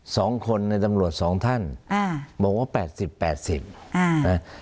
สองคนในตำรวจสองท่านอ่าบอกว่าแปดสิบแปดสิบอ่านะ